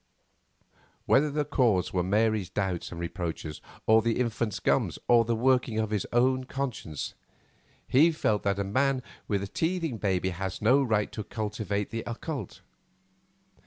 Whether the cause were Mary's doubts and reproaches, or the infant's gums, or the working of his own conscience,—he felt that a man with a teething baby has no right to cultivate the occult.